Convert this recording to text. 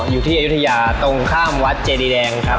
อยู่ที่อยุธยาตรงข้ามวัดเจดีแดงครับ